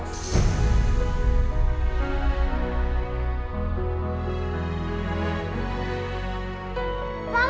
mama aku pasti ke sini